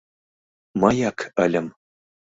— Мыяк ыльым!